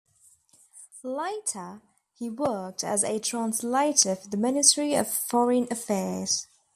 Later, he worked as a translator for the Ministry of Foreign Affairs.